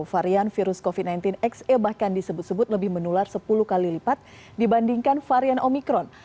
varian virus covid sembilan belas xa bahkan disebut sebut lebih menular sepuluh kali lipat dibandingkan varian omikron